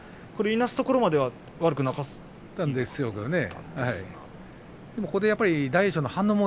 いなすところまでは悪くなかったんですよね。